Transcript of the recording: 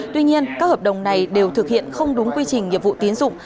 tuy nhiên các hợp đồng này đều thực hiện không đúng quy trình nghiệp vụ tiến dụng